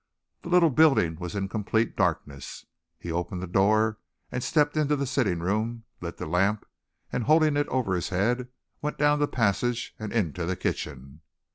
The little building was in complete darkness. He opened the door and stepped into the sitting room, lit the lamp, and, holding it over his head, went down the passage and into the kitchen.